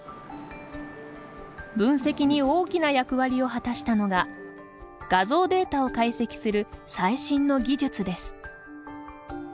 分析に大きな役割を果たしたのが画像データを解析する最新の技術です。